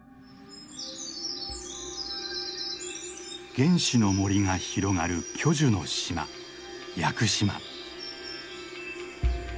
原始の森が広がる巨樹の島屋久島。